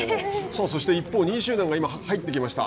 そして一方２位集団が今入ってきました。